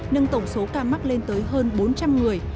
nâng tổng số ca mắc lên tới hơn bốn trăm linh người